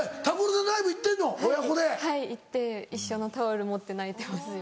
はい行って一緒のタオル持って泣いてます。